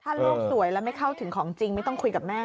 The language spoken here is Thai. ถ้าโลกสวยแล้วไม่เข้าถึงของจริงไม่ต้องคุยกับแม่